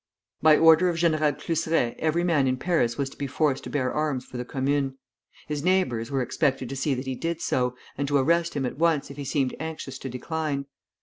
By order of General Cluseret every man in Paris was to be forced to bear arms for the Commune. His neighbors were expected to see that he did so, and to arrest him at once if he seemed anxious to decline.